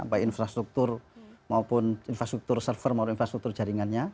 baik infrastruktur maupun infrastruktur server maupun infrastruktur jaringannya